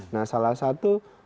nah salah satu